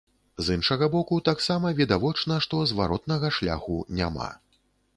З іншага боку, таксама відавочна, што зваротнага шляху няма.